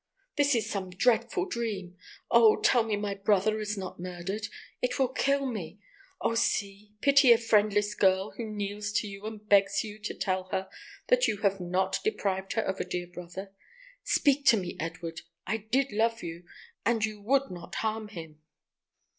This is some dreadful dream. Oh, tell me my brother is not murdered; it will kill me. Oh, see! Pity a friendless girl who kneels to you and begs you to tell her that you have not deprived her of a dear brother. Speak to me, Edward. I did love you, and you would not harm him."